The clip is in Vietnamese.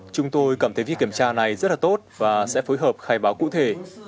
chúng tôi cảm thấy việc kiểm tra này rất là tốt và sẽ phối hợp khai báo cụ thể